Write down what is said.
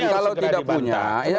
bukan kalau tidak punya